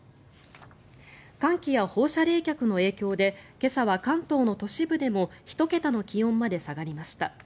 寒気や放射冷却の影響で今朝は関東の都市部でも１桁の気温まで下がりました。